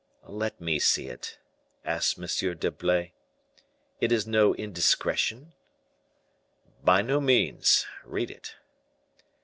"Let me see it," asked M. d'Herblay. "It is no indiscretion?" "By no means; read it."